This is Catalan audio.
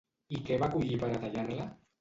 I què va collir per a tallar-la?